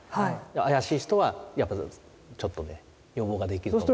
怪しい人はやっぱちょっとね予防ができると。